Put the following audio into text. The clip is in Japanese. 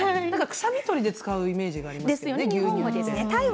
臭み取りで使うイメージがありますね牛乳は。